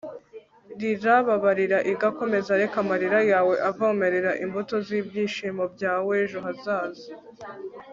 rira babarira iga komeza reka amarira yawe avomerera imbuto z'ibyishimo byawejo hazaza